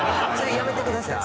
やめてくださいそれ。